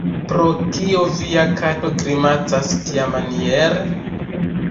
Pro kio via kato grimacas tiamaniere?